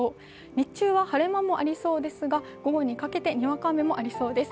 日中は晴れ間もありそうですが午後にかけてにわか雨もありそうです。